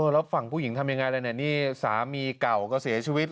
แล้วฝั่งผู้หญิงทำยังไงแล้วเนี่ยนี่สามีเก่าก็เสียชีวิต